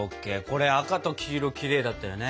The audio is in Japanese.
これ赤と黄色きれいだったよね。